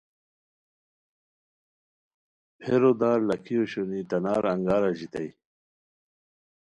پھیرو دارلاکھی اوشونی تناری انگار اژیتائے